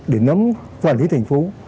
để nắm quản lý thành phố